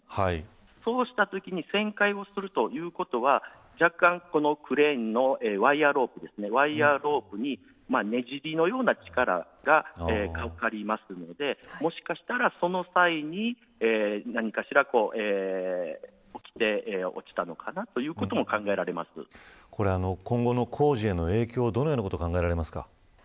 そうしたときに旋回をするということは若干、クレーンのワイヤーロープにねじりのような力がかかりますのでもしかしたら、その際に何かしら起きて、落ちたのかな今後の工事への影響